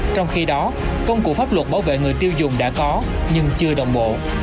trong khi đó công cụ pháp luật bảo vệ người tiêu dùng đã có nhưng chưa đồng bộ